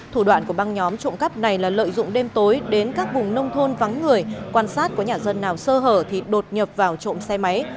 thủ đoạn của băng nhóm trộm cắp này là lợi dụng đêm tối đến các vùng nông thôn vắng người quan sát có nhà dân nào sơ hở thì đột nhập vào trộm xe máy